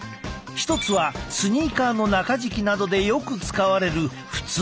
一つはスニーカーの中敷きなどでよく使われる普通の合成樹脂。